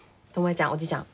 巴ちゃんおじちゃん